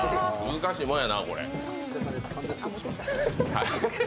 難しいもんやな。